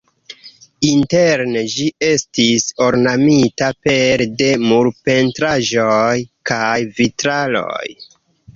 Interne ĝi estis ornamita pere de murpentraĵoj kaj vitraloj.